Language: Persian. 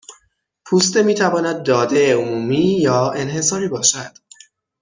پوسته میتواند داده عمومی یا انحصاری باشد